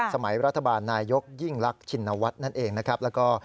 สมัยรัฐบาลนายยกยิ่งรักชิณวัฏนั่นเองแล้วก็